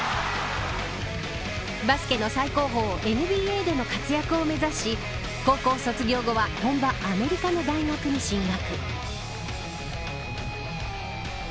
バスケの最高峰ＮＢＡでの活躍を目指し高校卒業後は本場アメリカの大学に進学。